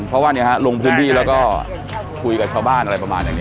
เพราะว่าลงพื้นที่แล้วก็คุยกับชาวบ้านอะไรประมาณอย่างนี้